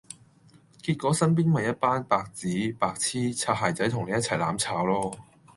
結果身邊咪一班白紙、白癡、擦鞋仔同你一齊攬炒囉